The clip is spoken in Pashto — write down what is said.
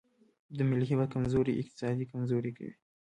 د ملي هویت کمزوري اقتصاد کمزوری کوي.